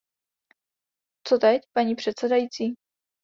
Co teď, paní předsedající?